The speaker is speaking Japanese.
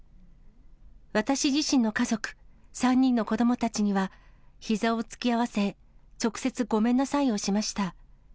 私自身の家族、３人の子どもたちには、ひざを突き合わせ、直接ごめんなさいをしました。